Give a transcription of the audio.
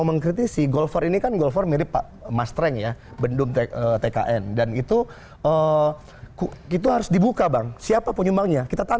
pertanyaannya kenapa pakai perkumpulan